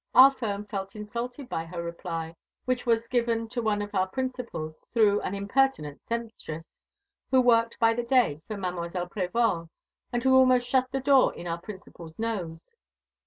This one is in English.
Our firm felt insulted by her reply, which was given to one of our principals, through an impertinent sempstress, who worked by the day for Mademoiselle Prévol, and who almost shut the door in our principal's nose.